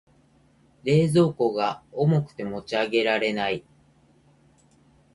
冷蔵庫が重くて持ち上げられない。